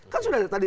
kan sudah tadi